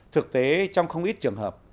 thực tế trong không ít trường hợp